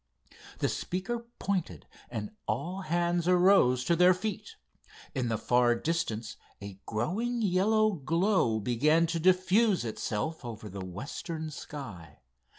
The speaker pointed, and all hands arose to their feet. In the far distance a growing yellow glow began to diffuse itself over the western sky.